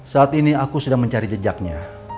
saat ini aku sedang mencari jejaknya